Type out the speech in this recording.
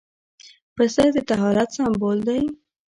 پسه د طهارت سمبول دی.